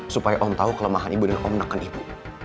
supaya om tahu kelemahan ibu dan omnakan ibu